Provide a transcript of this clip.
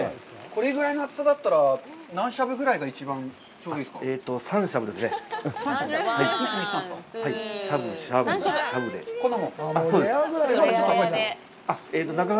これぐらいの厚さだったら何しゃぶぐらいが一番ちょうどいいですか。